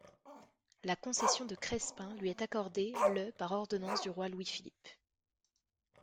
La Concession de Crespin lui est accordée le par ordonnance du roi Louis Philippe.